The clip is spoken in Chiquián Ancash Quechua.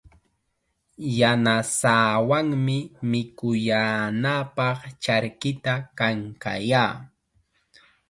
Yanasaawanmi mikuyaanapaq charkita kankayaa.